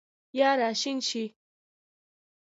یا راشین شي